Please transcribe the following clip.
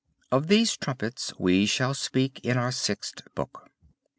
(Of these trumpets we shall speak in our Sixth Book.)